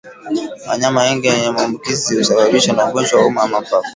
Wanyama wenye maambukizi husababisha ugonjwa wa homa ya mapafu